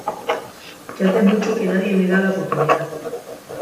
que hace mucho que nadie me da la oportunidad